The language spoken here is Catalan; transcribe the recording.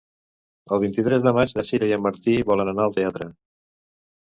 El vint-i-tres de maig na Sira i en Martí volen anar al teatre.